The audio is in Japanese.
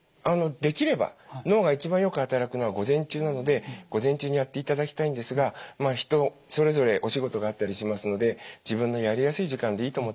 できれば脳が一番よく働くのは午前中なので午前中にやっていただきたいんですが人それぞれお仕事があったりしますので自分のやりやすい時間でいいと思ってます。